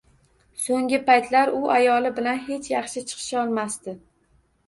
So`nggi paytlar u ayoli bilan hech yaxshi chiqisholmasdi